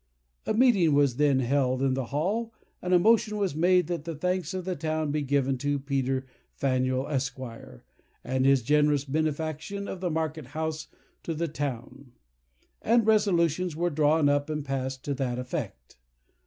A meeting was then held in the hall, and a motion was made that the thanks of the town be given to Peter Faneuil, Esq., for his generous benefaction of the Market House to the town; and resolutions were drawn up and passed to that effect.